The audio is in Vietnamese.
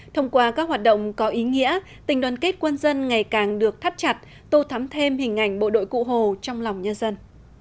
thông qua các hoạt động có ý nghĩa tình đoàn kết quân dân ngày càng được thắt chặt tô thắm thêm hình ảnh bộ đội cụ hồ trong lòng nhân dân